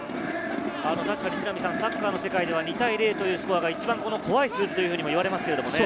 サッカーの世界では２対０というスコアが一番怖い数字と言われます。